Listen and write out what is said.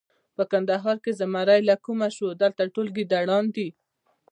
په کندهار کې زمری له کومه شو! دلته ټول ګیدړان دي.